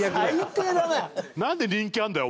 なんで人気あんだよ！